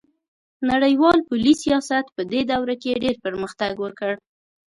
نړیوال پولي سیاست پدې دوره کې ډیر پرمختګ وکړ